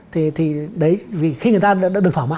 thì đấy khi người ta đã được thỏa mãn